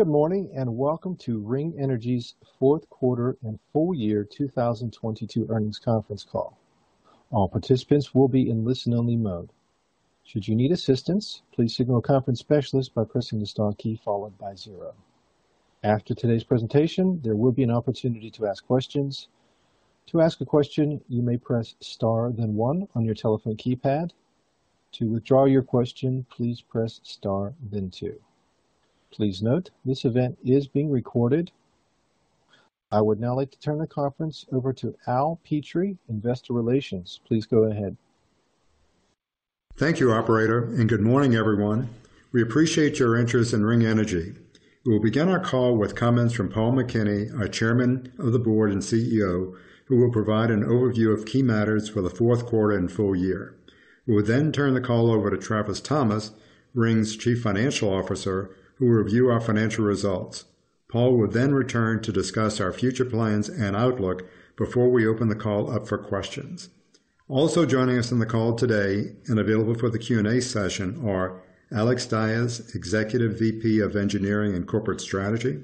Good morning and welcome to Ring Energy's Q4 and full year 2022 earnings conference call. All participants will be in listen only mode. Should you need assistance, please signal a conference specialist by pressing the star key followed by zero. After today's presentation, there will be an opportunity to ask questions. To ask a question, you may press Star then one on your telephone keypad. To withdraw your question, please press Star then two. Please note, this event is being recorded. I would now like to turn the conference over to Al Petrie, Investor Relations. Please go ahead. Thank you operator, and good morning everyone. We appreciate your interest in Ring Energy. We will begin our call with comments from Paul McKinney, our Chairman of the Board and CEO, who will provide an overview of key matters for the Q4 and full year. We will then turn the call over to Travis Thomas, Ring's Chief Financial Officer, who will review our financial results. Paul will then return to discuss our future plans and outlook before we open the call up for questions. Joining us on the call today and available for the Q&A session are Alex Dyes, Executive VP of Engineering and Corporate Strategy,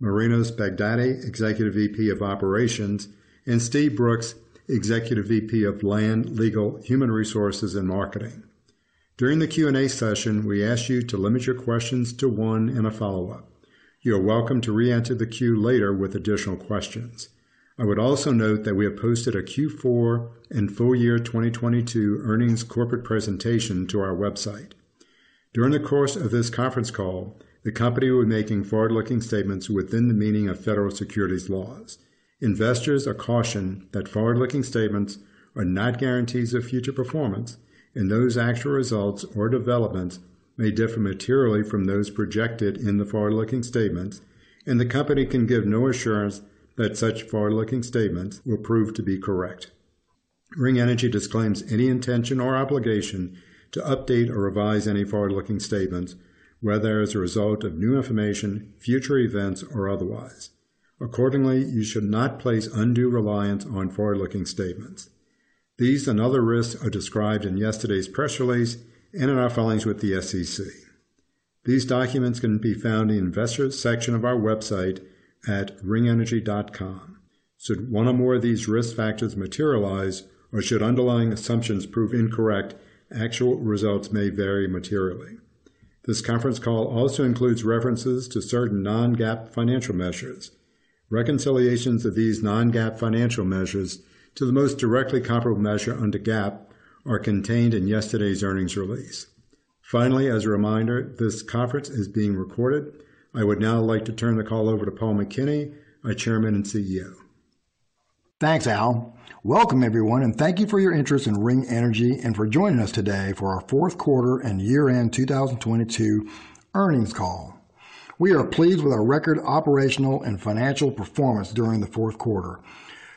Marinos Baghdati, Executive VP of Operations, and Steve Brooks, Executive VP of Land, Legal, Human Resources and Marketing. During the Q&A session, we ask you to limit your questions to one and a follow-up. You are welcome to re-enter the queue later with additional questions. I would also note that we have posted a Q4 and full year 2022 earnings corporate presentation to our website. During the course of this conference call, the company will be making forward-looking statements within the meaning of Federal Securities Laws. Investors are cautioned that forward-looking statements are not guarantees of future performance, and those actual results or developments may differ materially from those projected in the forward-looking statements, and the company can give no assurance that such forward-looking statements will prove to be correct. Ring Energy disclaims any intention or obligation to update or revise any forward-looking statements, whether as a result of new information, future events, or otherwise. Accordingly, you should not place undue reliance on forward-looking statements. These and other risks are described in yesterday's press release and in our filings with the SEC. These documents can be found in the investor section of our website at ringenergy.com. Should one or more of these risk factors materialize, or should underlying assumptions prove incorrect, actual results may vary materially. This conference call also includes references to certain non-GAAP financial measures. Reconciliations of these non-GAAP financial measures to the most directly comparable measure under GAAP are contained in yesterday's earnings release. Finally, as a reminder, this conference is being recorded. I would now like to turn the call over to Paul McKinney, our Chairman and CEO. Thanks, Al. Welcome everyone, and thank you for your interest in Ring Energy and for joining us today for our Q4 and year-end 2022 earnings call. We are pleased with our record operational and financial performance during the Q4.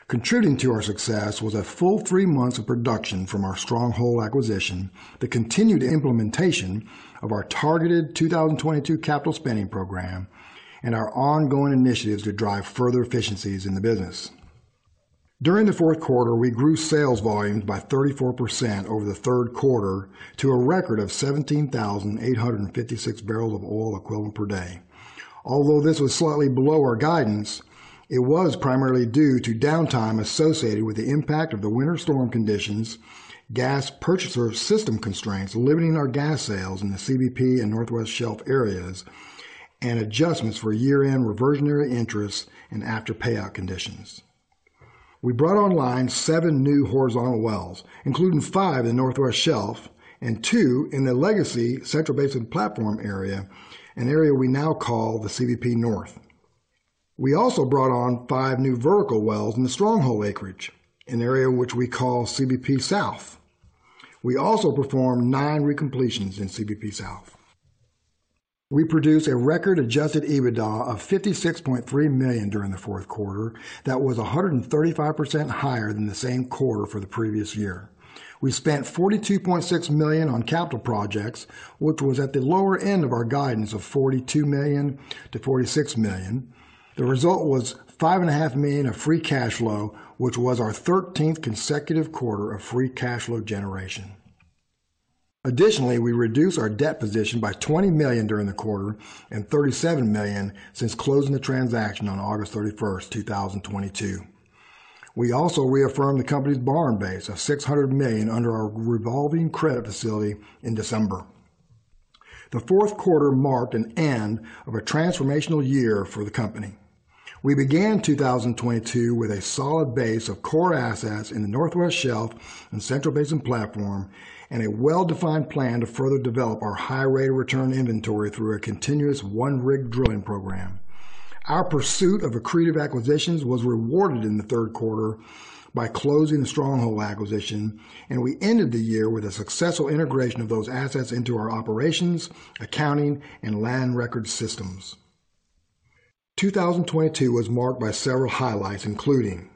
Contributing to our success was a full three months of production from our Stronghold acquisition, the continued implementation of our targeted 2022 capital spending program, and our ongoing initiatives to drive further efficiencies in the business. During the Q4, we grew sales volumes by 34% over the Q3 to a record of 17,856 barrels of oil equivalent per day. This was slightly below our guidance, it was primarily due to downtime associated with the impact of the winter storm conditions, gas purchaser system constraints limiting our gas sales in the CBP and Northwest Shelf areas, and adjustments for year-end reversionary interests and after payout conditions. We brought online 7 new horizontal wells, including 5 in Northwest Shelf and 2 in the legacy Central Basin Platform area, an area we now call the CBP North. We also brought on 5 new vertical wells in the Stronghold acreage, an area which we call CBP South. We also performed 9 recompletions in CBP South. We produced a record adjusted EBITDA of $56.3 million during the Q4 that was 135% higher than the same quarter for the previous year. We spent $42.6 million on capital projects, which was at the lower end of our guidance of $42 million-$46 million. The result was $5.5 million of free cash flow, which was our 13th consecutive quarter of free cash flow generation. Additionally, we reduced our debt position by $20 million during the quarter and $37 million since closing the transaction on August 31, 2022. We also reaffirmed the company's borrowing base of $600 million under our revolving credit facility in December. The Q4 marked an end of a transformational year for the company. We began 2022 with a solid base of core assets in the Northwest Shelf and Central Basin Platform and a well-defined plan to further develop our high rate of return inventory through a continuous one-rig drilling program. Our pursuit of accretive acquisitions was rewarded in the Q3 by closing the Stronghold acquisition. We ended the year with a successful integration of those assets into our operations, accounting, and land records systems. 2022 was marked by several highlights, including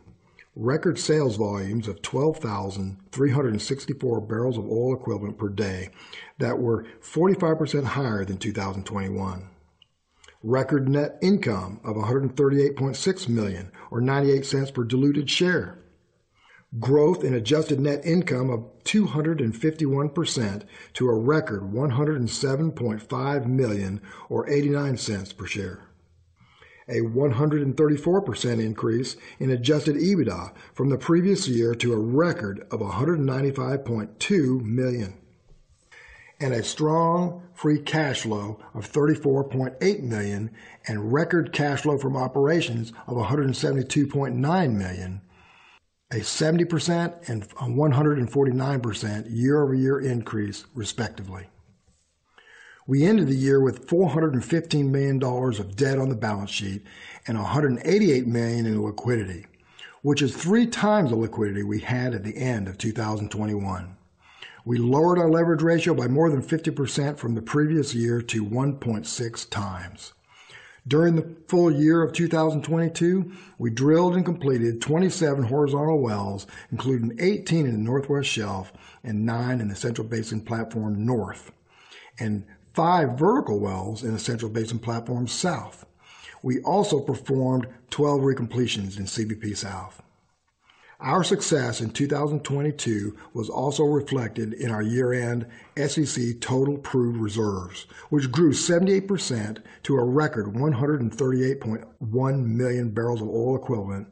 record sales volumes of 12,364 barrels of oil equivalent per day that were 45% higher than 2021. Record net income of $138.6 million or $0.98 per diluted share. Growth in adjusted net income of 251% to a record $107.5 million, or $0.89 per share. A 134% increase in adjusted EBITDA from the previous year to a record of $195.2 million. A strong free cash flow of $34.8 million and record cash flow from operations of $172.9 million. A 70% and a 149% year-over-year increase, respectively. We ended the year with $415 million of debt on the balance sheet and $188 million in liquidity, which is 3 times the liquidity we had at the end of 2021. We lowered our leverage ratio by more than 50% from the previous year to 1.6 times. During the full year of 2022, we drilled and completed 27 horizontal wells, including 18 in the Northwest Shelf and 9 in the Central Basin Platform North, and 5 vertical wells in the Central Basin Platform South. We also performed 12 recompletions in CBP South. Our success in 2022 was also reflected in our year-end SEC total proved reserves, which grew 78% to a record 138.1 million barrels of oil equivalent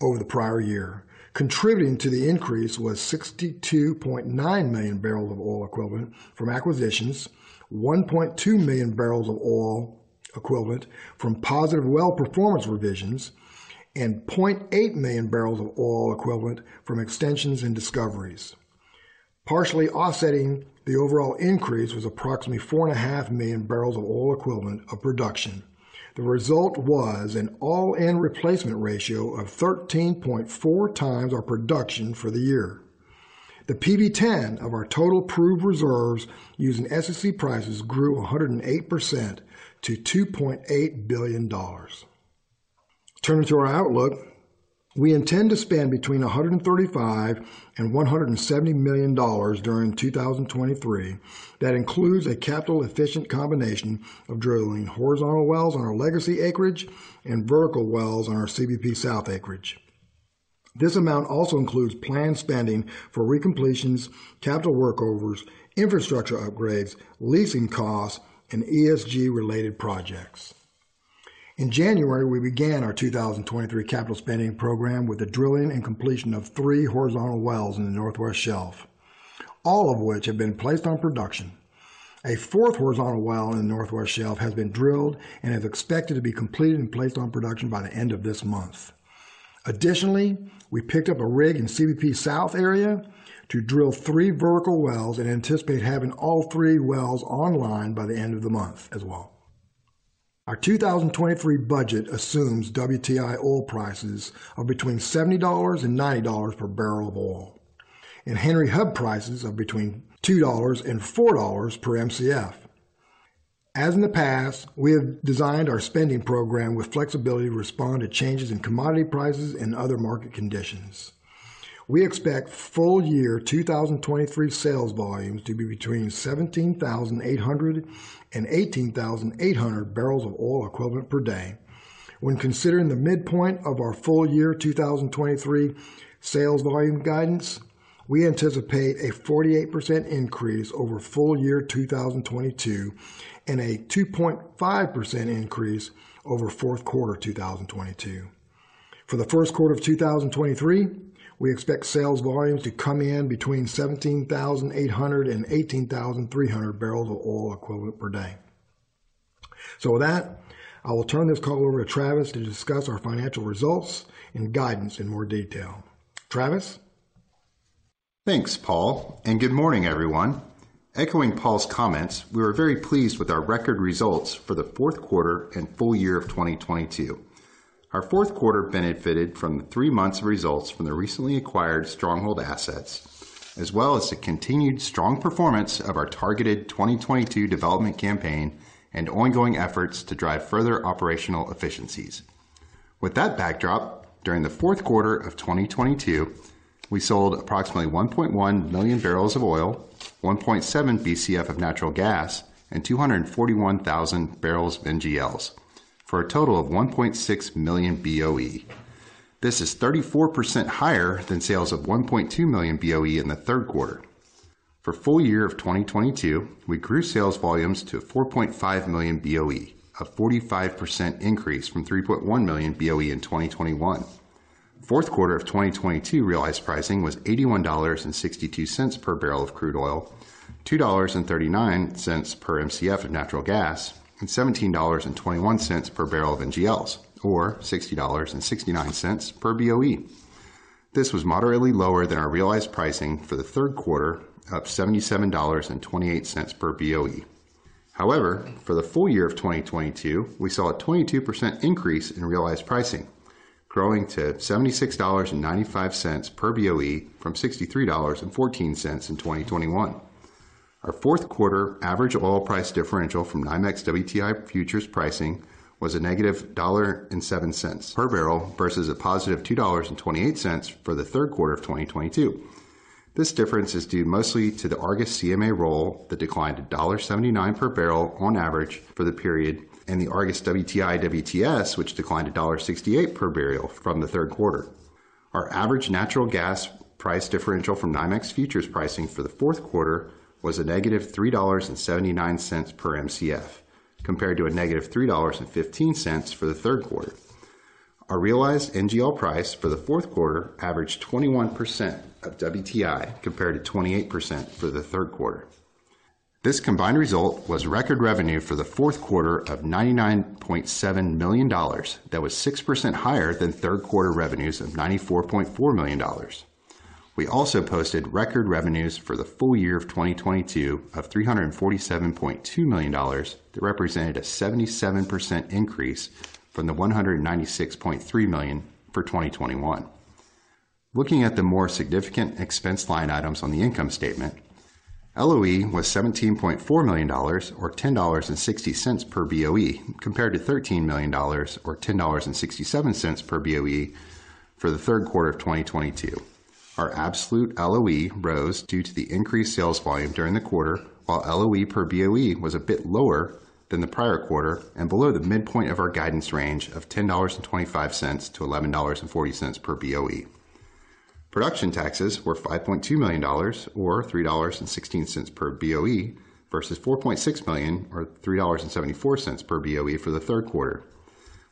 over the prior year. Contributing to the increase was 62.9 million barrels of oil equivalent from acquisitions, 1.2 million barrels of oil equivalent from positive well performance revisions, and 0.8 million barrels of oil equivalent from extensions and discoveries. Partially offsetting the overall increase was approximately 4.5 million barrels of oil equivalent of production. The result was an all-in replacement ratio of 13.4 times our production for the year. The PV-10 of our total proved reserves using SEC prices grew 108% to $2.8 billion. Turning to our outlook, we intend to spend between $135 million and $170 million during 2023. That includes a capital efficient combination of drilling horizontal wells on our legacy acreage and vertical wells on our CBP South acreage. This amount also includes planned spending for recompletions, capital workovers, infrastructure upgrades, leasing costs, and ESG-related projects. In January, we began our 2023 capital spending program with the drilling and completion of 3 horizontal wells in the Northwest Shelf, all of which have been placed on production. A fourth horizontal well in the Northwest Shelf has been drilled and is expected to be completed and placed on production by the end of this month. Additionally, we picked up a rig in CBP South area to drill 3 vertical wells and anticipate having all 3 wells online by the end of the month as well. Our 2023 budget assumes WTI oil prices are between $70 and $90 per barrel of oil and Henry Hub prices of between $2 and $4 per Mcf. As in the past, we have designed our spending program with flexibility to respond to changes in commodity prices and other market conditions. We expect full year 2023 sales volumes to be between 17,800 and 18,800 barrels of oil equivalent per day. When considering the midpoint of our full year 2023 sales volume guidance, we anticipate a 48% increase over full year 2022 and a 2.5% increase over Q4 2022. For the Q1 of 2023, we expect sales volumes to come in between 17,800 and 18,300 barrels of oil equivalent per day. With that, I will turn this call over to Travis to discuss our financial results and guidance in more detail. Travis? Thanks, Paul. Good morning, everyone. Echoing Paul's comments, we were very pleased with our record results for the Q4 and full year of 2022. Our Q4 benefited from the three months of results from the recently acquired Stronghold assets, as well as the continued strong performance of our targeted 2022 development campaign and ongoing efforts to drive further operational efficiencies. With that backdrop, during the Q4 of 2022, we sold approximately 1.1 million barrels of oil, 1.7 Bcf of natural gas, and 241,000 barrels of NGLs, for a total of 1.6 million BOE. This is 34% higher than sales of 1.2 million BOE in the Q3. For full year of 2022, we grew sales volumes to 4.5 million BOE, a 45% increase from 3.1 million BOE in 2021. Q4 of 2022 realized pricing was $81.62 per barrel of crude oil, $2.39 per Mcf of natural gas, and $17.21 per barrel of NGLs, or $60.69 per BOE. This was moderately lower than our realized pricing for the Q3 of $77.28 per BOE. For the full year of 2022, we saw a 22% increase in realized pricing, growing to $76.95 per BOE from $63.14 in 2021. Our Q4 average oil price differential from NYMEX WTI futures pricing was a negative $1.07 per barrel versus a positive $2.28 for the Q3 of 2022. This difference is due mostly to the Argus CMA role that declined to $1.79 per barrel on average for the period, and the Argus WTI/WTS, which declined to $1.68 per barrel from the Q3. Our average natural gas price differential from NYMEX futures pricing for the Q4 was a negative $3.79 per Mcf, compared to a negative $3.15 for the Q3. Our realized NGL price for the Q4 averaged 21% of WTI, compared to 28% for theQ3. This combined result was record revenue for the Q4 of $99.7 million. That was 6% higher than Q3 revenues of $94.4 million. We also posted record revenues for the full year of 2022 of $347.2 million. That represented a 77% increase from the $196.3 million for 2021. Looking at the more significant expense line items on the income statement, LOE was $17.4 million or $10.60 per BOE, compared to $13 million or $10.67 per BOE for the Q3 of 2022. Our absolute LOE rose due to the increased sales volume during the quarter, while LOE per BOE was a bit lower than the prior quarter and below the midpoint of our guidance range of $10.25-$11.40 per BOE. Production taxes were $5.2 million or $3.16 per BOE versus $4.6 million, or $3.74 per BOE for theQ3,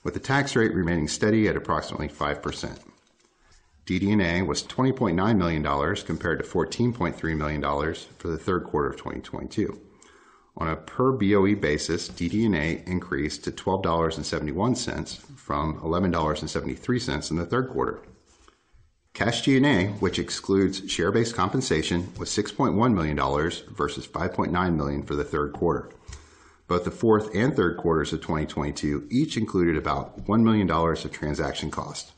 with the tax rate remaining steady at approximately 5%. DD&A was $20.9 million compared to $14.3 million for the Q3 of 2022. On a per BOE basis, DD&A increased to $12.71 from $11.73 in the Q3. Cash G&A, which excludes share-based compensation, was $6.1 million versus $5.9 million for the Q3. Both the fourth and Q3 of 2022 each included about $1 million of transaction cost.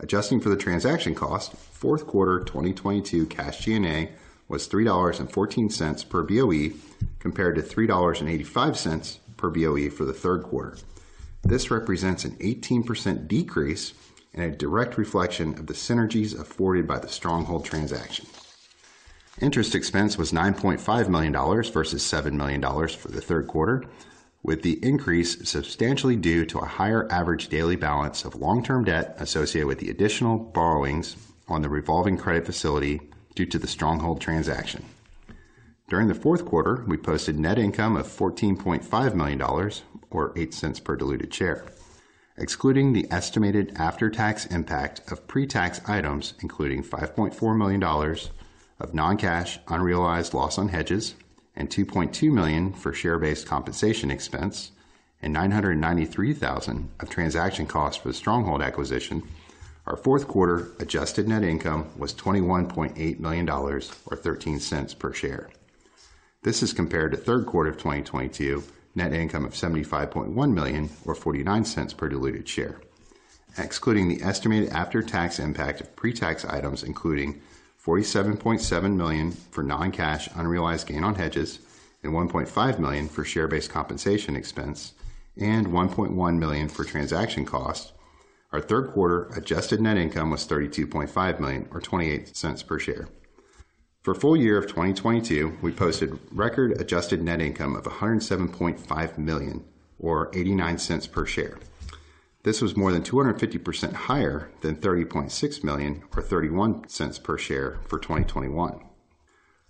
Adjusting for the transaction cost, Q4 2022 cash G&A was $3.14 per BOE, compared to $3.85 per BOE for the Q3. This represents an 18% decrease and a direct reflection of the synergies afforded by the Stronghold transaction. Interest expense was $9.5 million versus $7 million for the Q3, with the increase substantially due to a higher average daily balance of long-term debt associated with the additional borrowings on the revolving credit facility due to the Stronghold transaction. During the Q4, we posted net income of $14.5 million or $0.08 per diluted share. Excluding the estimated after-tax impact of pre-tax items, including $5.4 million of non-cash, unrealized loss on hedges and $2.2 million for share-based compensation expense, and $993,000 of transaction cost for the Stronghold acquisition. Our Q4 adjusted net income was $21.8 million or $0.13 per share. This is compared to Q3 of 2022 net income of $75.1 million or $0.49 per diluted share. Excluding the estimated after-tax impact of pre-tax items including $47.7 million for non-cash unrealized gain on hedges and $1.5 million for share-based compensation expense, and $1.1 million for transaction cost, our Q3 adjusted net income was $32.5 million or $0.28 per share. For full year of 2022, we posted record adjusted net income of $107.5 million or $0.89 per share. This was more than 250% higher than $30.6 million or $0.31 per share for 2021.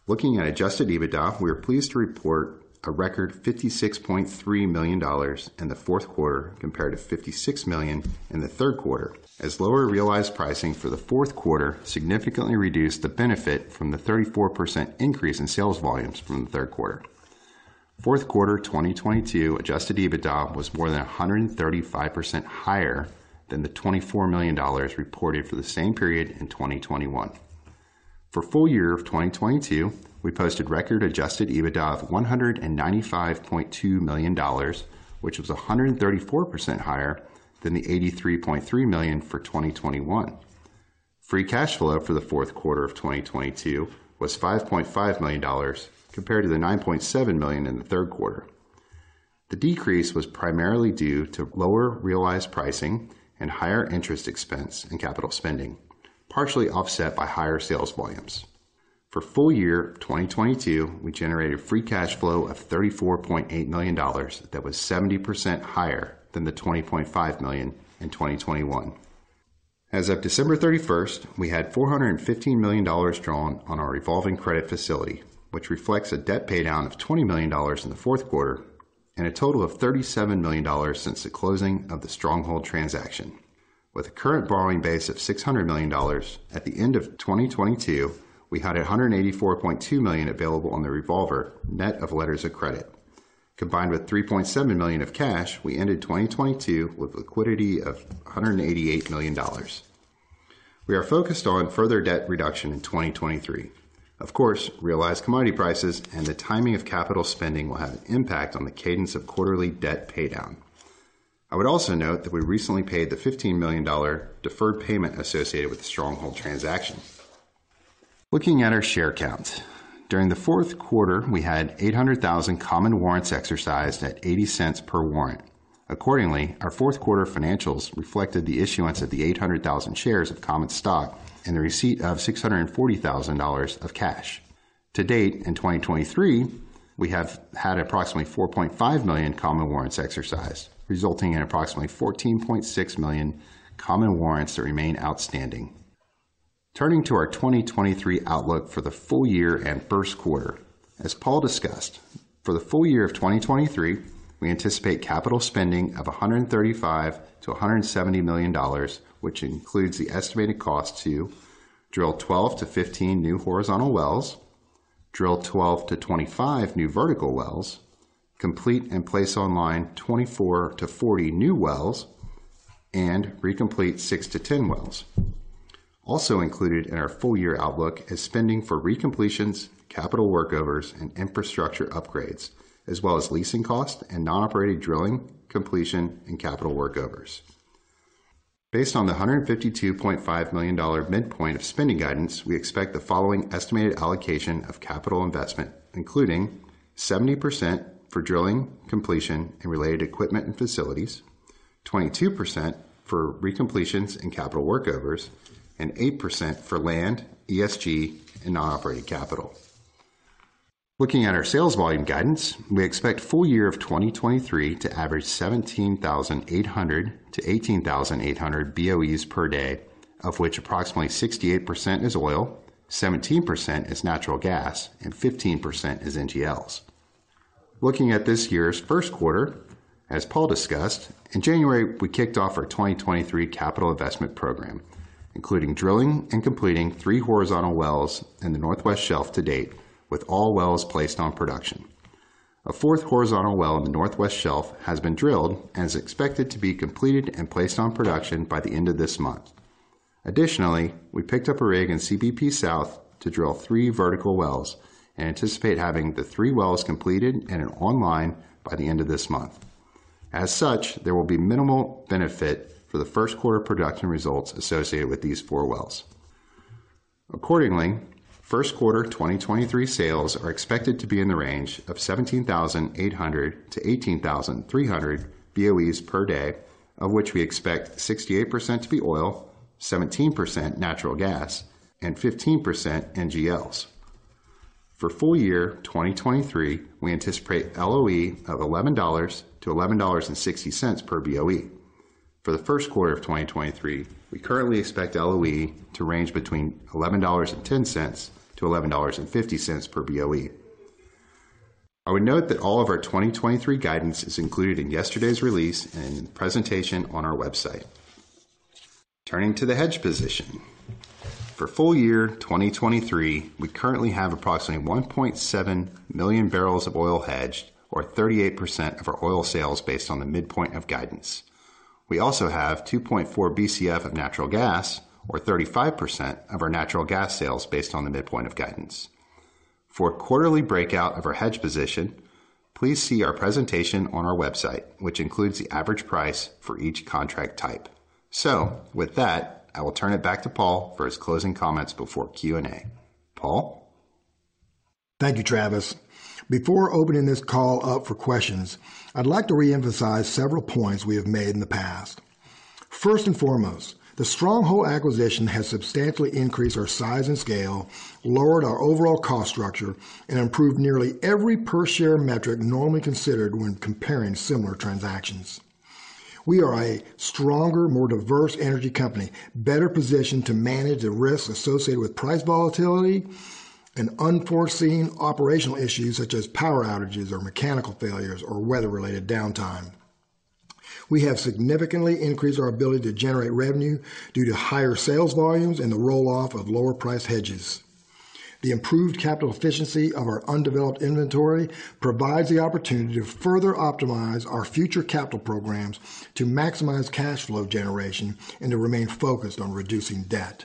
Looking at adjusted EBITDA, we are pleased to report a record $56.3 million in the Q4 compared to $56 million in the Q3, as lower realized pricing for the Q4 significantly reduced the benefit from the 34% increase in sales volumes from the Q3. Q4 2022 adjusted EBITDA was more than 135% higher than the $24 million reported for the same period in 2021. For full year of 2022, we posted record adjusted EBITDA of $195.2 million, which was 134% higher than the $83.3 million for 2021. Free cash flow for the Q4 of 2022 was $5.5 million compared to the $9.7 million in the Q3. The decrease was primarily due to lower realized pricing and higher interest expense in capital spending, partially offset by higher sales volumes. For full year 2022, we generated free cash flow of $34.8 million. That was 70% higher than the $20.5 million in 2021. As of December 31st, we had $415 million drawn on our revolving credit facility, which reflects a debt paydown of $20 million in the Q4 and a total of $37 million since the closing of the Stronghold transaction. With a current borrowing base of $600 million at the end of 2022, we had $184.2 million available on the revolver, net of letters of credit. Combined with $3.7 million of cash, we ended 2022 with liquidity of $188 million. We are focused on further debt reduction in 2023. Of course, realized commodity prices and the timing of capital spending will have an impact on the cadence of quarterly debt paydown. I would also note that we recently paid the $15 million deferred payment associated with the Stronghold transaction. Looking at our share count, during the Q4, we had 800,000 common warrants exercised at $0.80 per warrant. Our Q4 financials reflected the issuance of the 800,000 shares of common stock and the receipt of $640,000 of cash. To date, in 2023, we have had approximately 4.5 million common warrants exercised, resulting in approximately 14.6 million common warrants that remain outstanding. Turning to our 2023 outlook for the full year and Q1. As Paul discussed, for the full year of 2023, we anticipate capital spending of $135 million-$170 million, which includes the estimated cost to drill 12-15 new horizontal wells, drill 12-25 new vertical wells, complete and place online 24-40 new wells, and recomplete 6-10 wells. Included in our full-year outlook is spending for recompletions, capital workovers, and infrastructure upgrades, as well as leasing costs and non-operated drilling, completion, and capital workovers. Based on the $152.5 million midpoint of spending guidance, we expect the following estimated allocation of capital investment, including 70% for drilling, completion, and related equipment and facilities, 22% for recompletions and capital workovers, and 8% for land, ESG, and non-operated capital. Looking at our sales volume guidance, we expect full year of 2023 to average 17,800-18,800 BOEs per day, of which approximately 68% is oil, 17% is natural gas, and 15% is NGLs. Looking at this year's Q1, as Paul discussed, in January, we kicked off our 2023 capital investment program, including drilling and completing 3 horizontal wells in the Northwest Shelf to date, with all wells placed on production. A fourth horizontal well in the Northwest Shelf has been drilled and is expected to be completed and placed on production by the end of this month. Additionally, we picked up a rig in CBP South to drill 3 vertical wells and anticipate having the 3 wells completed and online by the end of this month. As such, there will be minimal benefit for the Q1 production results associated with these four wells. Accordingly, Q1 2023 sales are expected to be in the range of 17,800 to 18,300 BOEs per day, of which we expect 68% to be oil, 17% natural gas, and 15% NGLs. For full year 2023, we anticipate LOE of $11 to $11.60 per BOE. For the Q1 of 2023, we currently expect LOE to range between $11.10 to $11.50 per BOE. I would note that all of our 2023 guidance is included in yesterday's release and presentation on our website. Turning to the hedge position. For full year 2023, we currently have approximately 1.7 million barrels of oil hedged, or 38% of our oil sales based on the midpoint of guidance. We also have 2.4 Bcf of natural gas or 35% of our natural gas sales based on the midpoint of guidance. For a quarterly breakout of our hedge position, please see our presentation on our website, which includes the average price for each contract type. With that, I will turn it back to Paul for his closing comments before Q&A. Paul. Thank you, Travis. Before opening this call up for questions, I'd like to reemphasize several points we have made in the past. First and foremost, the Stronghold acquisition has substantially increased our size and scale, lowered our overall cost structure, and improved nearly every per share metric normally considered when comparing similar transactions. We are a stronger, more diverse energy company, better positioned to manage the risks associated with price volatility and unforeseen operational issues such as power outages or mechanical failures or weather-related downtime. We have significantly increased our ability to generate revenue due to higher sales volumes and the roll-off of lower price hedges. The improved capital efficiency of our undeveloped inventory provides the opportunity to further optimize our future capital programs to maximize cash flow generation and to remain focused on reducing debt.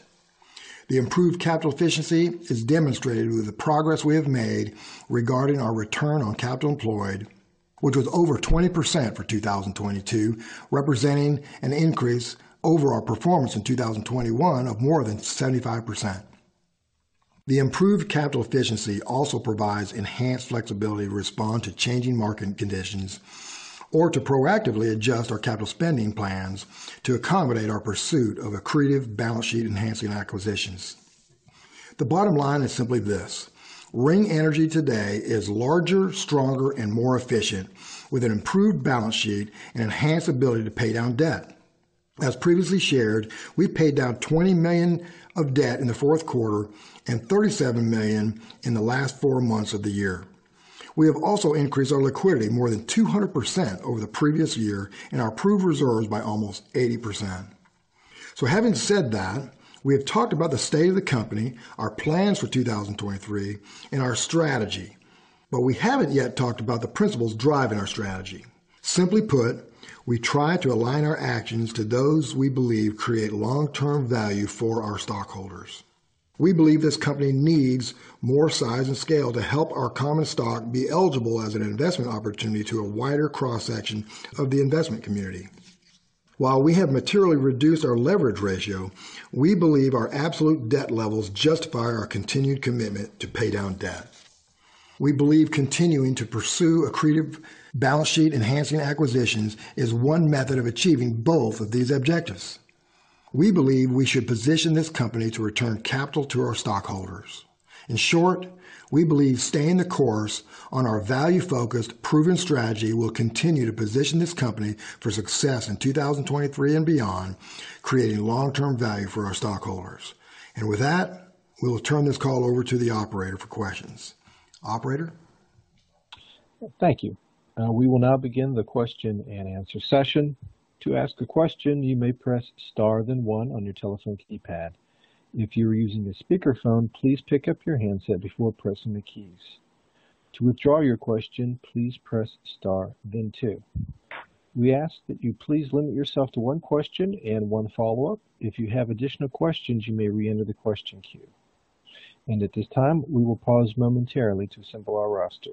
The improved capital efficiency is demonstrated with the progress we have made regarding our return on capital employed, which was over 20% for 2022, representing an increase over our performance in 2021 of more than 75%. The improved capital efficiency also provides enhanced flexibility to respond to changing market conditions or to proactively adjust our capital spending plans to accommodate our pursuit of accretive balance sheet enhancing acquisitions. The bottom line is simply this. Ring Energy today is larger, stronger, and more efficient, with an improved balance sheet and enhanced ability to pay down debt. As previously shared, we paid down $20 million of debt in the Q4 and $37 million in the last four months of the year. We have also increased our liquidity more than 200% over the previous year and our proved reserves by almost 80%. Having said that, we have talked about the state of the company, our plans for 2023, and our strategy, but we haven't yet talked about the principles driving our strategy. Simply put, we try to align our actions to those we believe create long-term value for our stockholders. We believe this company needs more size and scale to help our common stock be eligible as an investment opportunity to a wider cross-section of the investment community. While we have materially reduced our leverage ratio, we believe our absolute debt levels justify our continued commitment to pay down debt. We believe continuing to pursue accretive balance sheet enhancing acquisitions is one method of achieving both of these objectives. We believe we should position this company to return capital to our stockholders. In short, we believe staying the course on our value-focused proven strategy will continue to position this company for success in 2023 and beyond, creating long-term value for our stockholders. With that, we will turn this call over to the operator for questions. Operator? Thank you. We will now begin the question-and-answer session. To ask a question, you may press star then 1 on your telephone keypad. If you're using a speakerphone, please pick up your handset before pressing the keys. To withdraw your question, please press star then 2. We ask that you please limit yourself to one question and one follow-up. If you have additional questions, you may reenter the question queue. At this time, we will pause momentarily to assemble our roster.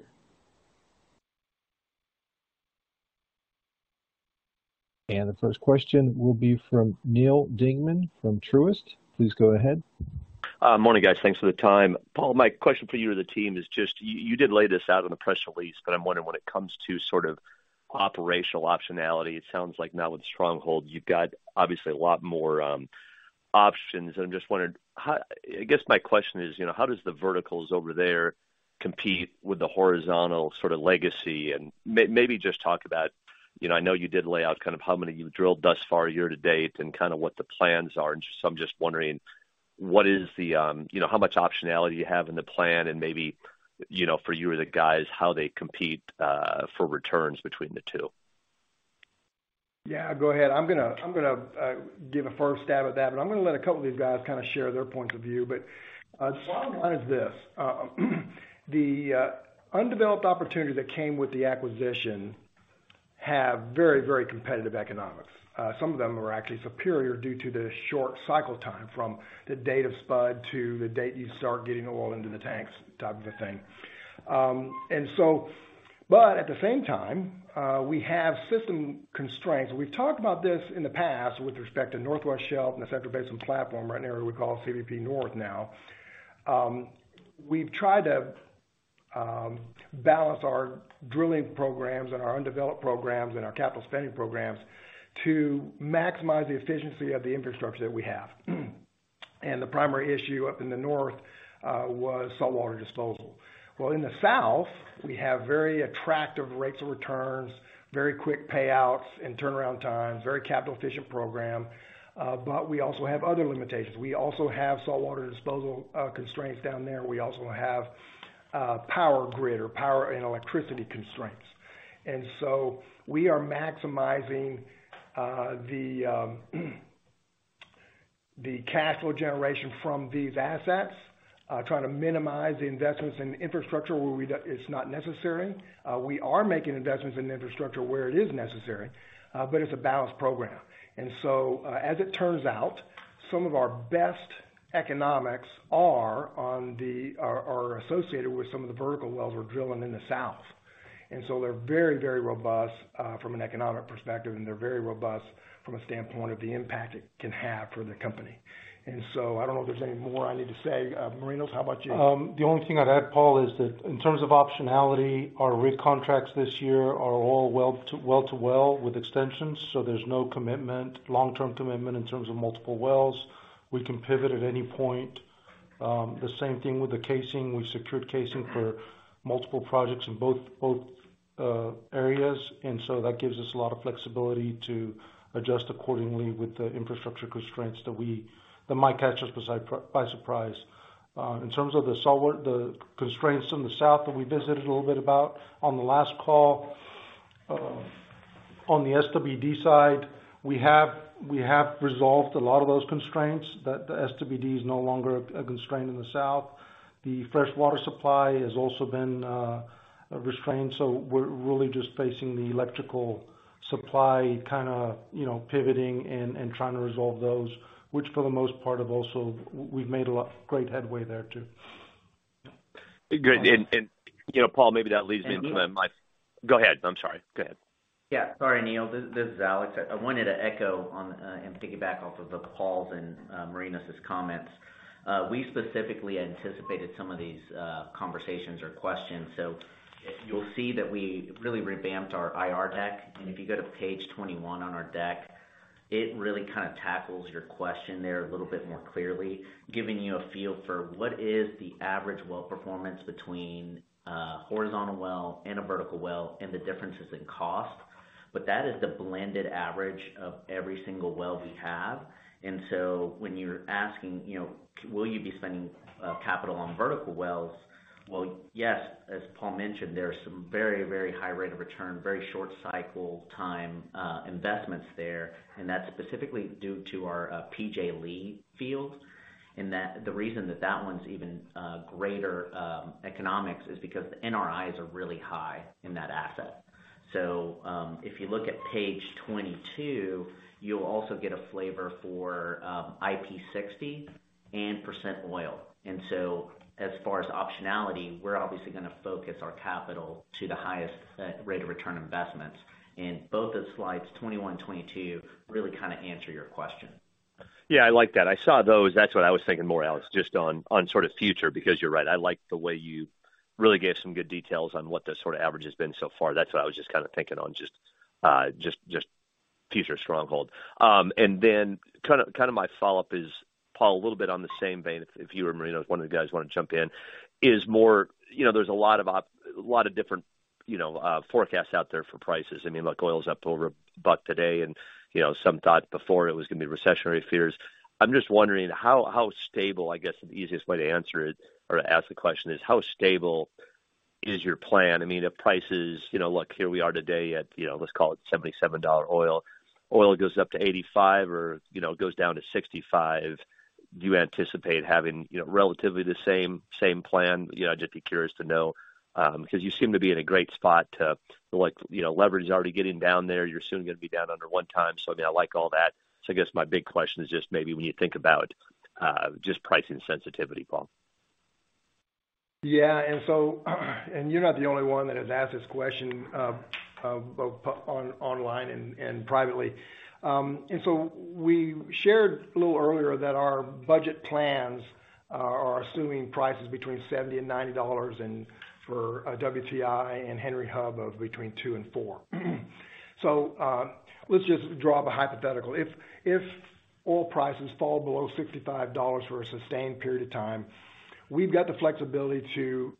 The first question will be from Neal Dingmann from Truist. Please go ahead. Morning, guys. Thanks for the time. Paul, my question for you or the team is just, you did lay this out on the press release, but I'm wondering when it comes to sort of operational optionality, it sounds like now with Stronghold, you've got obviously a lot more options. I guess my question is, you know, how does the verticals over there compete with the horizontal sort of legacy? Maybe just talk about, you know, I know you did lay out kind of how many you've drilled thus far year to date and kind of what the plans are. I'm just wondering what is the, you know, how much optionality you have in the plan and maybe, you know, for you or the guys, how they compete for returns between the two. Go ahead. I'm gonna give a first stab at that, but I'm gonna let a couple of these guys kinda share their points of view. Bottom line is this, the undeveloped opportunity that came with the acquisition have very, very competitive economics. Some of them are actually superior due to the short cycle time from the date of spud to the date you start getting oil into the tanks type of a thing. At the same time, we have system constraints. We've talked about this in the past with respect to Northwest Shelf and the Central Basin Platform or an area we call CBP North now. We've tried to balance our drilling programs and our undeveloped programs and our capital spending programs to maximize the efficiency of the infrastructure that we have. The primary issue up in the north was saltwater disposal. Well, in the south, we have very attractive rates of returns, very quick payouts and turnaround times, very capital efficient program, but we also have other limitations. We also have saltwater disposal constraints down there. We also have power grid or power and electricity constraints. We are maximizing the cash flow generation from these assets, trying to minimize the investments in infrastructure where it's not necessary. We are making investments in infrastructure where it is necessary, but it's a balanced program. As it turns out, some of our best economics are associated with some of the vertical wells we're drilling in the south. They're very, very robust, from an economic perspective, and they're very robust from a standpoint of the impact it can have for the company. I don't know if there's any more I need to say. Marinos, how about you? The only thing I'd add, Paul, is that in terms of optionality, our rig contracts this year are all well to, well to well with extensions, so there's no commitment, long-term commitment in terms of multiple wells. We can pivot at any point. The same thing with the casing. We've secured casing for multiple projects in both areas, and so that gives us a lot of flexibility to adjust accordingly with the infrastructure constraints that might catch us by surprise. In terms of the constraints in the south that we visited a little bit about on the last call, on the SWD side, we have resolved a lot of those constraints. The SWD is no longer a constraint in the south. The fresh water supply has also been a restraint, so we're really just facing the electrical supply kinda, you know, pivoting and trying to resolve those, which for the most part we've made great headway there too. Great. You know, Paul, maybe that leads me into. Neal- Go ahead. I'm sorry. Go ahead. Yeah. Sorry, Neal. This is Alex. I wanted to echo on and piggyback off of Paul's and Marinos' comments. We specifically anticipated some of these conversations or questions. You'll see that we really revamped our IR deck. If you go to page 21 on our deck, it really kinda tackles your question there a little bit more clearly, giving you a feel for what is the average well performance between a horizontal well and a vertical well and the differences in cost. That is the blended average of every single well we have. When you're asking, you know, will you be spending capital on vertical wells? Yes, as Paul mentioned, there are some very, very high rate of return, very short cycle time investments there, and that's specifically due to our PJ Lea field, and that the reason that that one's even greater economics is because the NRIs are really high in that asset. If you look at page 22, you'll also get a flavor for IP60 and % oil. As far as optionality, we're obviously gonna focus our capital to the highest rate of return investments. Both those slides, 21, 22, really kinda answer your question. Yeah, I like that. I saw those. That's what I was thinking more, Alex, just on sort of future, because you're right. I like the way you really gave some good details on what the sort of average has been so far. That's what I was just kind of thinking on just future Stronghold. Then kind of my follow-up is, Paul, a little bit on the same vein, if you or Marino, if one of you guys want to jump in, is more... You know, there's a lot of a lot of different, you know, forecasts out there for prices. I mean, look, oil is up to over $1 today and, you know, some thought before it was gonna be recessionary fears. I'm just wondering how stable, I guess the easiest way to answer it or to ask the question is, how stable is your plan? I mean, if prices, you know, look, here we are today at, you know, let's call it $77 oil. Oil goes up to $85 or, you know, goes down to $65. Do you anticipate having, you know, relatively the same plan? You know, I'd just be curious to know, because you seem to be in a great spot to like, you know, leverage is already getting down there. You're soon gonna be down under 1 time. I mean, I like all that. I guess my big question is just maybe when you think about, just pricing sensitivity, Paul. You're not the only one that has asked this question, both online and privately. We shared a little earlier that our budget plans are assuming prices between $70 and $90, and for WTI and Henry Hub of between $2 and $4. Let's just draw up a hypothetical. If, if oil prices fall below $65 for a sustained period of time, we've got the flexibility to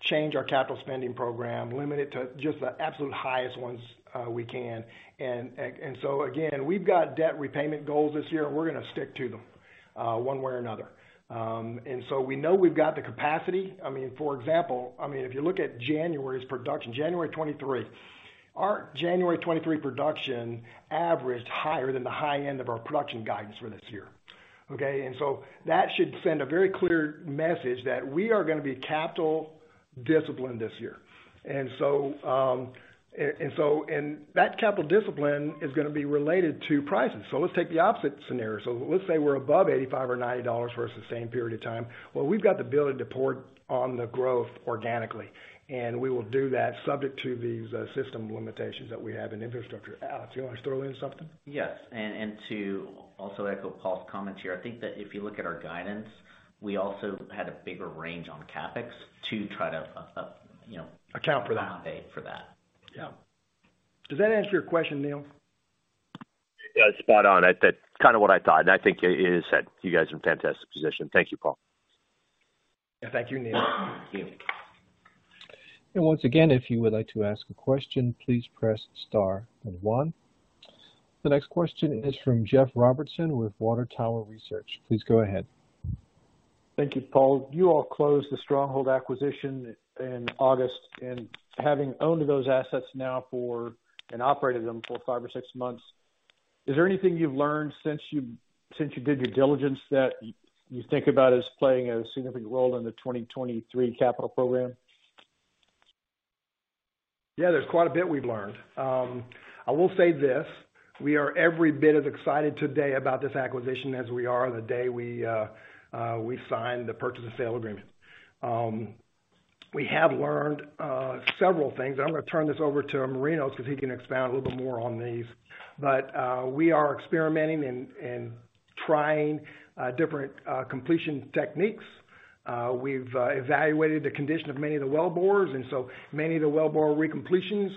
change our capital spending program, limit it to just the absolute highest ones, we can. Again, we've got debt repayment goals this year, and we're gonna stick to them, one way or another. We know we've got the capacity. I mean, for example, I mean, if you look at January's production, January 2023. Our January 2023 production averaged higher than the high end of our production guidance for this year. Okay? That should send a very clear message that we are gonna be capital disciplined this year. That capital discipline is gonna be related to prices. Let's take the opposite scenario. Let's say we're above $85 or $90 for a sustained period of time. We've got the ability to port on the growth organically, and we will do that subject to these system limitations that we have in infrastructure. Alex, you want to throw in something? Yes. And to also echo Paul's comments here, I think that if you look at our guidance, we also had a bigger range on CapEx to try to, you know. Account for that. for that. Yeah. Does that answer your question, Neal? Yeah, spot on. That's kind of what I thought. I think it is that you guys are in fantastic position. Thank you, Paul. Thank you, Neal. Thank you. Once again, if you would like to ask a question, please press star 21. The next question is from Jeff Robertson with Water Tower Research. Please go ahead. Thank you, Paul. You all closed the Stronghold acquisition in August, and having owned those assets now for, and operated them for five or six months, is there anything you've learned since you, since you did your diligence that you think about as playing a significant role in the 2023 capital program? Yeah, there's quite a bit we've learned. I will say this, we are every bit as excited today about this acquisition as we are the day we signed the purchase and sale agreement. We have learned several things. I'm gonna turn this over to Marinos, he can expound a little bit more on these. We are experimenting and trying different completion techniques. We've evaluated the condition of many of the wellbores, many of the wellbore recompletions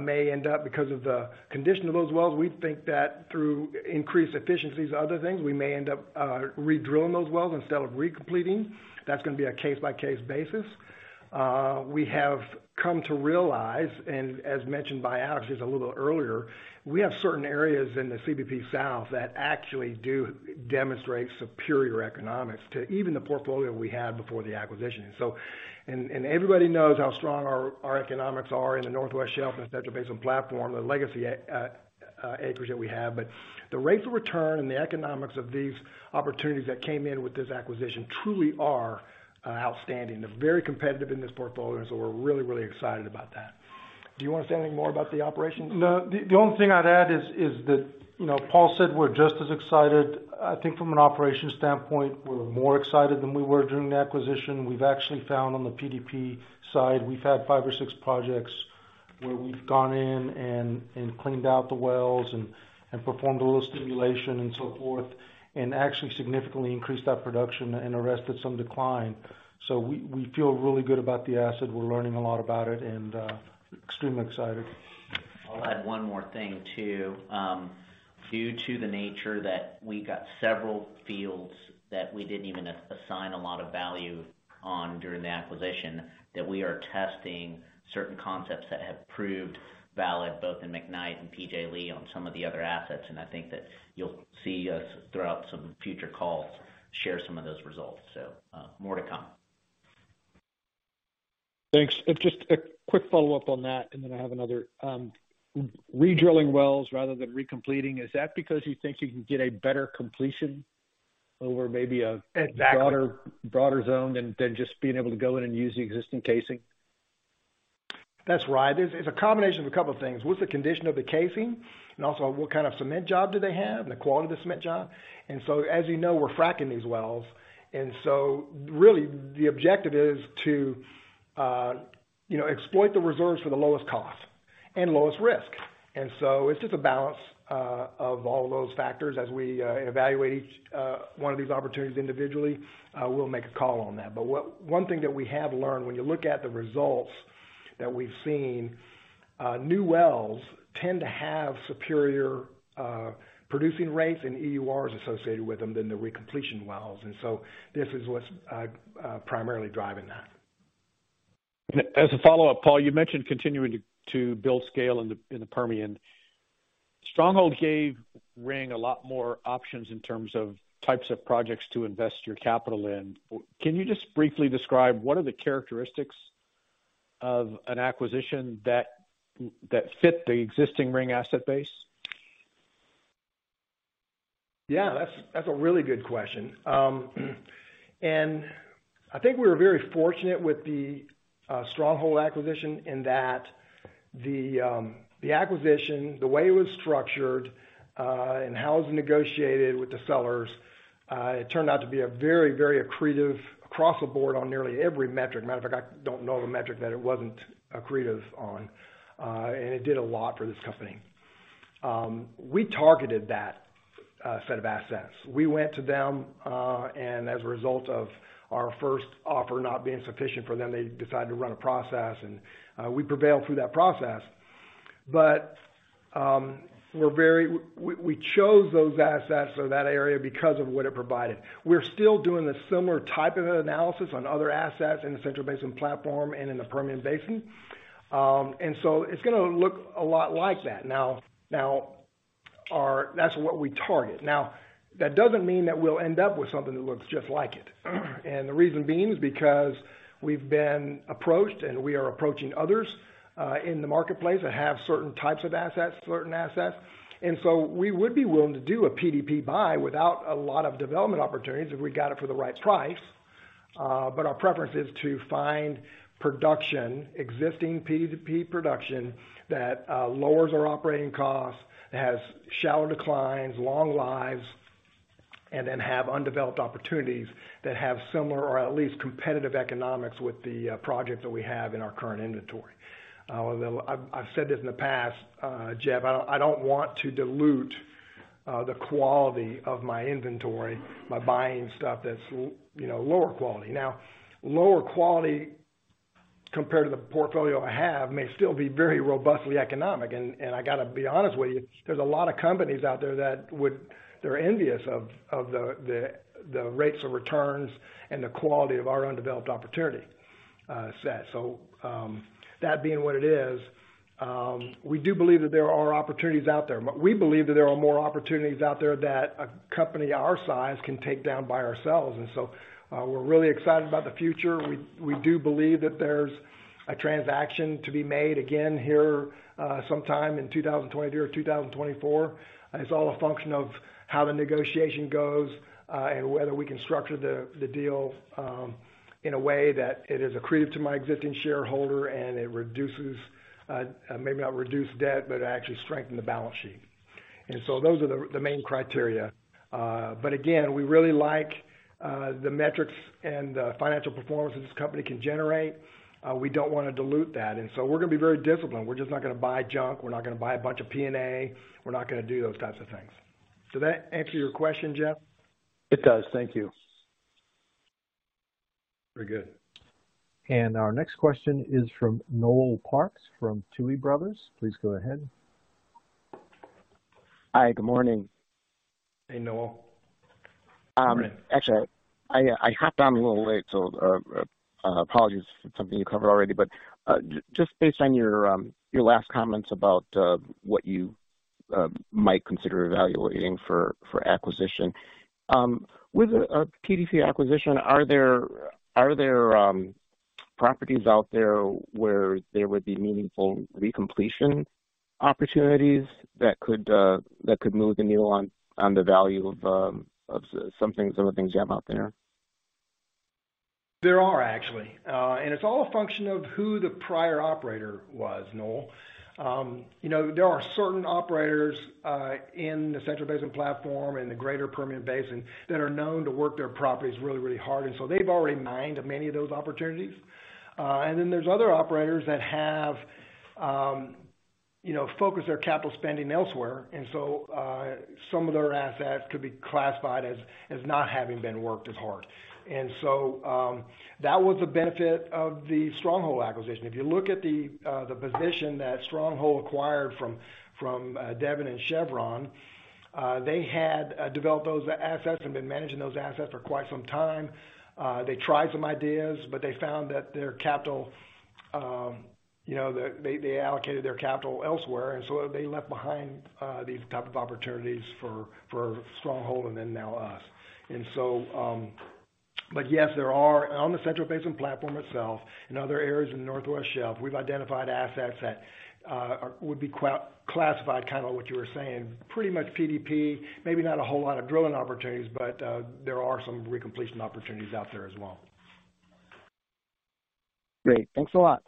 may end up because of the condition of those wells. We think that through increased efficiencies and other things, we may end up redrilling those wells instead of recompleting. That's gonna be a case-by-case basis. We have come to realize, and as mentioned by Alex Dyes just a little earlier, we have certain areas in the CBP South that actually do demonstrate superior economics to even the portfolio we had before the acquisition. Everybody knows how strong our economics are in the Northwest Shelf and Central Basin Platform, the legacy acreage that we have. The rates of return and the economics of these opportunities that came in with this acquisition truly are outstanding. They're very competitive in this portfolio, we're really excited about that. Do you want to say anything more about the operations? No. The only thing I'd add is that, you know, Paul said we're just as excited. I think from an operations standpoint, we're more excited than we were during the acquisition. We've actually found on the PDP side, we've had five or six projects where we've gone in and cleaned out the wells and performed a little stimulation and so forth, and actually significantly increased our production and arrested some decline. We feel really good about the asset. We're learning a lot about it and extremely excited. I'll add one more thing, too. Due to the nature that we got several fields that we didn't even assign a lot of value on during the acquisition, that we are testing certain concepts that have proved valid both in McKnight and PJ Lea on some of the other assets. I think that you'll see us throughout some future calls share some of those results. More to come. Thanks. Just a quick follow-up on that, and then I have another. Redrilling wells rather than recompleting, is that because you think you can get a better completion over maybe? Exactly. Broader, broader zone than just being able to go in and use the existing casing? That's right. It's a combination of a couple of things. What's the condition of the casing, and also what kind of cement job do they have and the quality of the cement job. As you know, we're fracking these wells. Really the objective is to, you know, exploit the reserves for the lowest cost and lowest risk. It's just a balance of all those factors as we evaluate each one of these opportunities individually, we'll make a call on that. One thing that we have learned, when you look at the results that we've seen, new wells tend to have superior producing rates and EURs associated with them than the recompletion wells. This is what's primarily driving that. As a follow-up, Paul, you mentioned continuing to build scale in the Permian. Stronghold gave Ring a lot more options in terms of types of projects to invest your capital in. Can you just briefly describe what are the characteristics of an acquisition that fit the existing Ring asset base? Yeah, that's a really good question. I think we were very fortunate with the Stronghold acquisition in that the acquisition, the way it was structured, and how it was negotiated with the sellers, it turned out to be a very, very accretive across the board on nearly every metric. Matter of fact, I don't know of a metric that it wasn't accretive on, and it did a lot for this company. We targeted that set of assets. We went to them, and as a result of our first offer not being sufficient for them, they decided to run a process, and we prevailed through that process. We chose those assets or that area because of what it provided. We're still doing a similar type of analysis on other assets in the Central Basin Platform and in the Permian Basin. It's gonna look a lot like that. Now, that's what we target. Now, that doesn't mean that we'll end up with something that looks just like it. The reason being is because we've been approached, and we are approaching others in the marketplace that have certain types of assets, certain assets. We would be willing to do a PDP buy without a lot of development opportunities if we got it for the right price. Our preference is to find production, existing PDP production that lowers our operating costs, has shallow declines, long lives, and then have undeveloped opportunities that have similar or at least competitive economics with the project that we have in our current inventory. I've said this in the past, Jeff, I don't want to dilute the quality of my inventory by buying stuff that's you know, lower quality. Now, lower quality compared to the portfolio I have may still be very robustly economic. I got to be honest with you, there's a lot of companies out there that would... they're envious of the rates of returns and the quality of our undeveloped opportunity set. That being what it is, we do believe that there are opportunities out there. We believe that there are more opportunities out there that a company our size can take down by ourselves. We're really excited about the future. We do believe that there's a transaction to be made again here, sometime in 2020 through 2024. It's all a function of how the negotiation goes, and whether we can structure the deal in a way that it is accretive to my existing shareholder and it reduces, maybe not reduce debt, but actually strengthen the balance sheet. Those are the main criteria. Again, we really like the metrics and the financial performance that this company can generate. We don't want to dilute that. We're gonna be very disciplined. We're just not gonna buy junk. We're not gonna buy a bunch of PNA. We're not gonna do those types of things. Does that answer your question, Jeff? It does. Thank you. Very good. Our next question is from Noel Parks from Tuohy Brothers. Please go ahead. Hi, good morning. Hey, Noel. Good morning. Actually, I hopped on a little late, so apologies if it's something you covered already. Just based on your last comments about what you might consider evaluating for acquisition, with a PDP acquisition, are there properties out there where there would be meaningful recompletion opportunities that could move the needle on the value of some things, some of the things you have out there? There are actually. It's all a function of who the prior operator was, Noel. You know, there are certain operators in the Central Basin Platform and the greater Permian Basin that are known to work their properties really, really hard. They've already mined many of those opportunities. There's other operators that have, you know, focused their capital spending elsewhere. Some of their assets could be classified as not having been worked as hard. That was a benefit of the Stronghold acquisition. If you look at the position that Stronghold acquired from Devon and Chevron, they had developed those assets and been managing those assets for quite some time. They tried some ideas, but they found that their capital, you know, that they allocated their capital elsewhere, and so they left behind these type of opportunities for Stronghold and then now us. Yes, there are. On the Central Basin Platform itself and other areas in the Northwest Shelf, we've identified assets that would be classified, kind of what you were saying, pretty much PDP, maybe not a whole lot of drilling opportunities, but there are some recompletion opportunities out there as well. Great. Thanks a lot.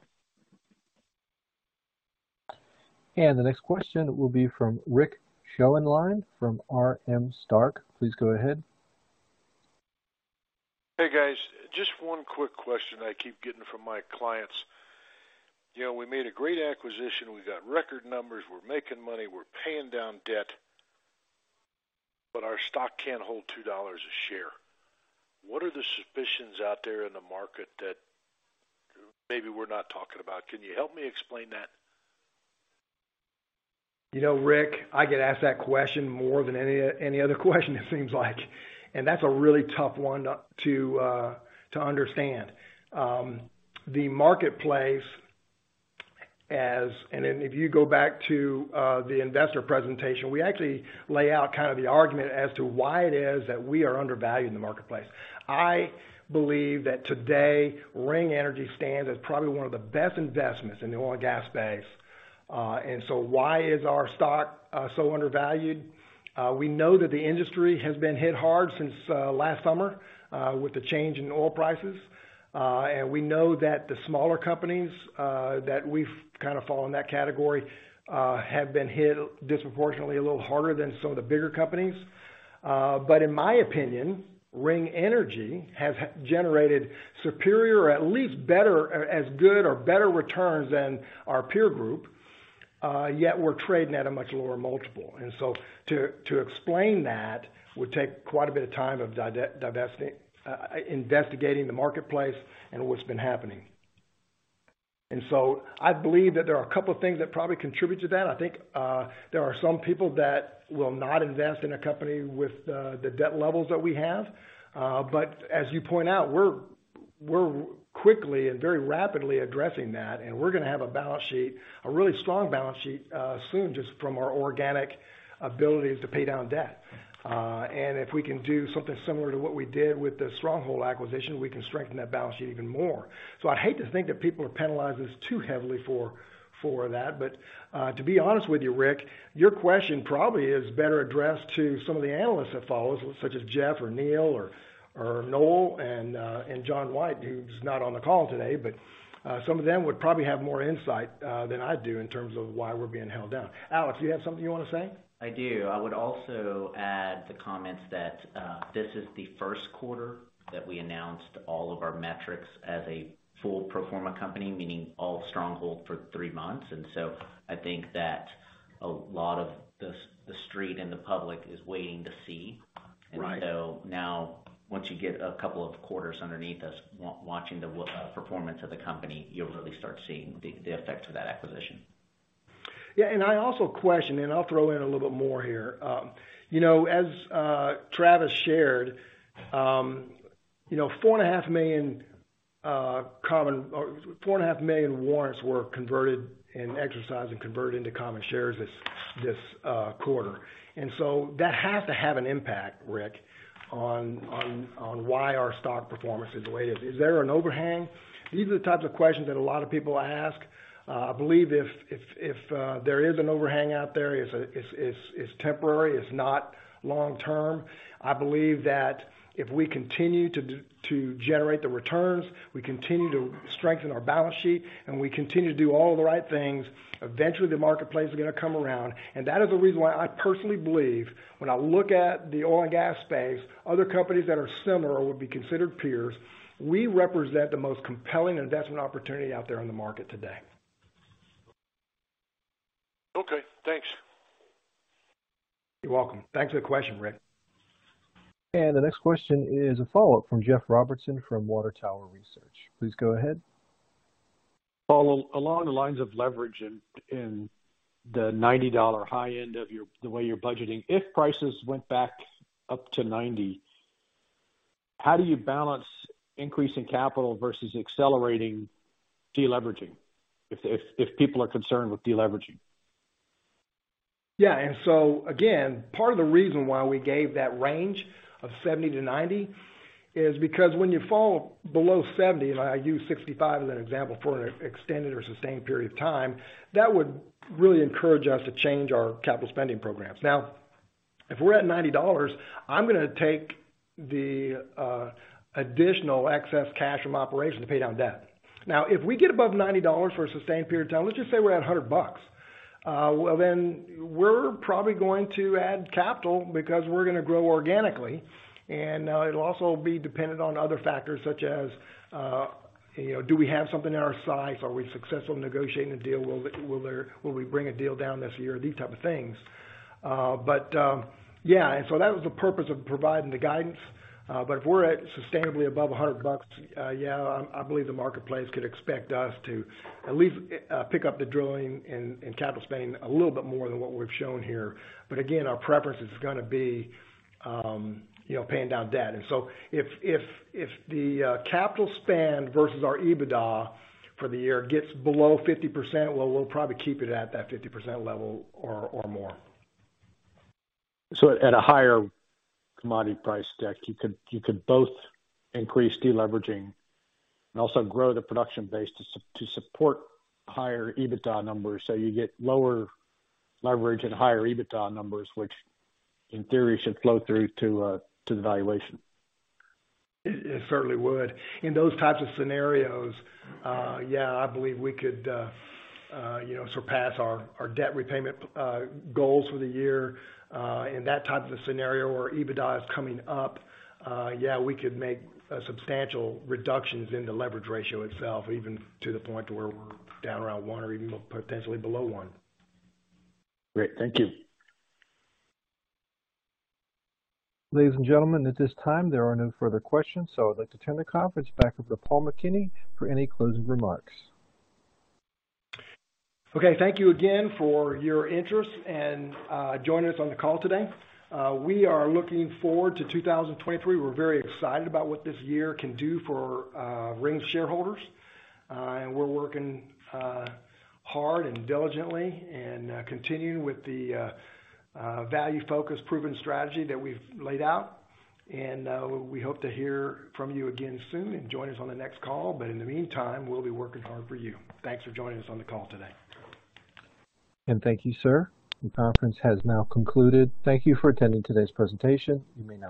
The next question will be from Rick Schoenlein from R.M. Stark. Please go ahead. Hey guys, just one quick question I keep getting from my clients. You know, we made a great acquisition, we've got record numbers, we're making money, we're paying down debt, but our stock can't hold $2 a share. What are the suspicions out there in the market that maybe we're not talking about? Can you help me explain that? You know, Rick, I get asked that question more than any other question, it seems like. That's a really tough one to understand. If you go back to the investor presentation, we actually lay out kind of the argument as to why it is that we are undervalued in the marketplace. I believe that today Ring Energy stands as probably one of the best investments in the oil and gas space. Why is our stock so undervalued? We know that the industry has been hit hard since last summer with the change in oil prices. We know that the smaller companies that we've kind of fall in that category have been hit disproportionately a little harder than some of the bigger companies. In my opinion, Ring Energy has generated superior or at least better, as good or better returns than our peer group, yet we're trading at a much lower multiple. To explain that would take quite a bit of time of investigating the marketplace and what's been happening. I believe that there are a couple of things that probably contribute to that. I think, there are some people that will not invest in a company with, the debt levels that we have. As you point out, we're quickly and very rapidly addressing that, and we're gonna have a balance sheet, a really strong balance sheet, soon, just from our organic ability to pay down debt. If we can do something similar to what we did with the Stronghold acquisition, we can strengthen that balance sheet even more. I'd hate to think that people are penalizing us too heavily for that. To be honest with you, Rick, your question probably is better addressed to some of the analysts that follow us, such as Jeff or Neal or Noel and John White, who's not on the call today. Some of them would probably have more insight than I do in terms of why we're being held down. Alex, you have something you want to say? I do. I would also add the comments that this is the Q1 that we announced all of our metrics as a full pro forma company, meaning all Stronghold for three months. I think that a lot of the Street and the public is waiting to see. Right. Now once you get a couple of quarters underneath us watching the performance of the company, you'll really start seeing the effects of that acquisition. Yeah. I also question, and I'll throw in a little bit more here. You know, as Travis shared, you know, $4.5 million warrants were converted and exercised and converted into common shares this quarter. That has to have an impact, Rick, on why our stock performance is the way it is. Is there an overhang? These are the types of questions that a lot of people ask. I believe if there is an overhang out there, it's temporary, it's not long term. I believe that if we continue to generate the returns, we continue to strengthen our balance sheet, and we continue to do all the right things, eventually the marketplace is gonna come around. That is the reason why I personally believe when I look at the oil and gas space, other companies that are similar or would be considered peers, we represent the most compelling investment opportunity out there in the market today. Okay, thanks. You're welcome. Thanks for the question, Rick. The next question is a follow-up from Jeff Robertson from Water Tower Research. Please go ahead. Follow along the lines of leverage in the $90 high end of your the way you're budgeting. If prices went back up to 90, how do you balance increasing capital versus accelerating deleveraging if people are concerned with deleveraging? Yeah. Again, part of the reason why we gave that range of 70-90 is because when you fall below 70, and I use 65 as an example, for an extended or sustained period of time, that would really encourage us to change our capital spending programs. If we're at $90, I'm gonna take the additional excess cash from operations to pay down debt. If we get above $90 for a sustained period of time, let's just say we're at $100, well, we're probably going to add capital because we're gonna grow organically. It'll also be dependent on other factors such as, you know, do we have something in our sights? Are we successful in negotiating a deal? Will we bring a deal down this year? These type of things. But, yeah. That was the purpose of providing the guidance. But if we're at sustainably above $100, yeah, I believe the marketplace could expect us to at least pick up the drilling and capital spending a little bit more than what we've shown here. Again, our preference is gonna be, you know, paying down debt. If the capital spend versus our EBITDA for the year gets below 50%, well, we'll probably keep it at that 50% level or more. At a higher commodity price deck, you could both increase deleveraging and also grow the production base to support higher EBITDA numbers. You get lower leverage and higher EBITDA numbers, which in theory should flow through to the valuation. It certainly would. In those types of scenarios, yeah, I believe we could, you know, surpass our debt repayment, goals for the year. In that type of a scenario where EBITDA is coming up, yeah, we could make substantial reductions in the leverage ratio itself, even to the point to where we're down around 1 or even potentially below 1. Great. Thank you. Ladies and gentlemen, at this time, there are no further questions, so I'd like to turn the conference back over to Paul McKinney for any closing remarks. Okay, thank you again for your interest and joining us on the call today. We are looking forward to 2023. We're very excited about what this year can do for Ring's shareholders. We're working hard and diligently and continuing with the value focus proven strategy that we've laid out. We hope to hear from you again soon and join us on the next call. In the meantime, we'll be working hard for you. Thanks for joining us on the call today. Thank you, sir. The conference has now concluded. Thank you for attending today's presentation. You may disconnect.